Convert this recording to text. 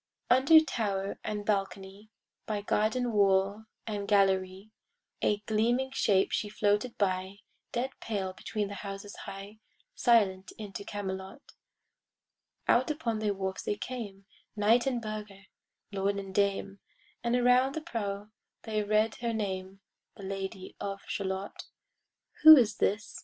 Under tower and balcony, By garden wall and gallery, A gleaming shape she floated by, Dead pale between the houses high, Silent into Camelot. Out upon the wharfs they came, Knight and burgher, lord and dame, And around the prow they read her name, The Lady of Shalott. Who is this?